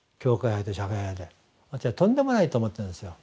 私はとんでもないと思ってるんですよ。